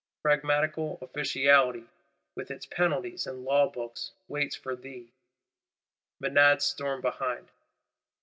Pragmatical Officiality, with its penalties and law books, waits before thee; Menads storm behind.